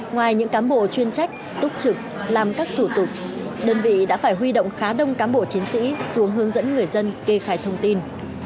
ngoài những cám bộ chuyên trách túc trực làm các thủ tục đơn vị đã phải huy động khá đông cán bộ chiến sĩ xuống hướng dẫn người dân kê khai thông tin